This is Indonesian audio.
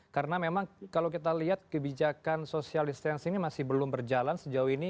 karena memang kalau kita lihat kebijakan sosialistensi ini masih belum berjalan sejauh ini